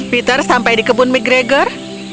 peter sampai di kebun mcgregor